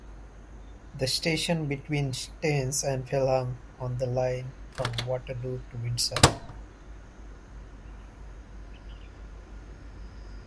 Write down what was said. The station is between Staines and Feltham on the line from Waterloo to Windsor.